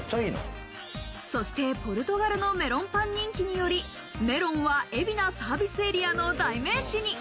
そして、ぽるとがるのメロンパン人気により、メロンは海老名サービスエリアの代名詞に。